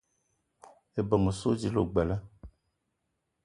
Ebeng essoe dila ogbela